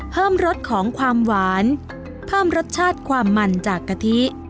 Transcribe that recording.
รสของความหวานเพิ่มรสชาติความมันจากกะทิ